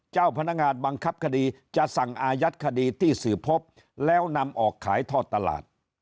เจ้าพนักงานบังคับคดีจะสั่งอายัดคดีที่สืบพบแล้วนำออกขายทอดตลาด